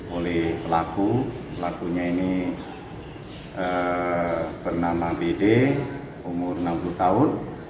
oleh pelaku pelakunya ini bernama bd umur enam puluh tahun